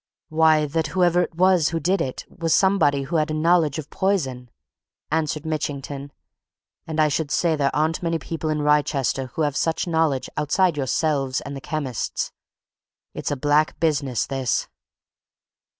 "Why, that whoever it was who did it was somebody who had a knowledge of poison!" answered Mitchington. "And I should say there aren't many people in Wrychester who have such knowledge outside yourselves and the chemists. It's a black business, this!"